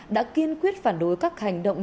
đã kiên quyết phản đối các hành động